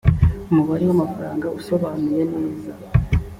umubare w’amafaranga usobanuye neza